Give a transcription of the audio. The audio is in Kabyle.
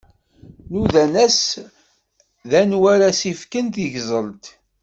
Nudan-as-d anwa ara s-d-ifken tigẓelt.